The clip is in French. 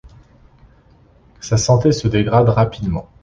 Sa santé se dégrade rapidement.